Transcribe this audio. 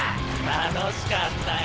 楽しかったよ。